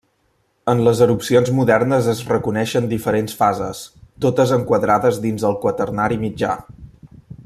En les erupcions modernes es reconeixen diferents fases, totes enquadrades dins el Quaternari mitjà.